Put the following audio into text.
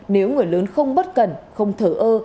nếu người lớn không bất cần không thở ơ